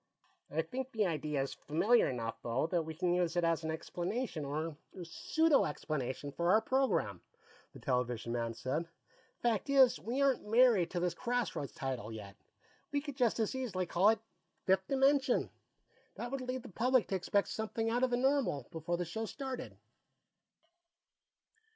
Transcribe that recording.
"I think the idea's familiar enough, though, that we can use it as an explanation, or pseudo explanation, for the program," the television man said. "Fact is, we aren't married to this Crossroads title, yet; we could just as easily all it Fifth Dimension. That would lead the public, to expect something out of the normal before the show started."